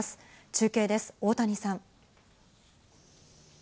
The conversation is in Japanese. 中継です、大谷さん。